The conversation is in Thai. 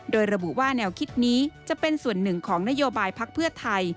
โดยระบุว่าแนวคิดนี้จะเป็นส่วนหนึ่งของนโยบายพักเพื่อไทย